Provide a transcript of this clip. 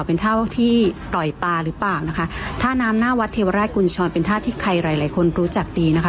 เป็นท่าที่ปล่อยปลาหรือเปล่านะคะท่าน้ำหน้าวัดเทวราชกุญชรเป็นท่าที่ใครหลายหลายคนรู้จักดีนะคะ